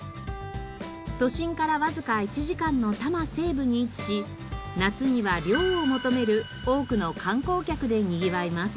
都心からわずか１時間の多摩西部に位置し夏には涼を求める多くの観光客でにぎわいます。